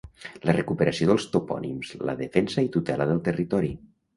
la recuperació dels topònims, la defensa i tutela del territori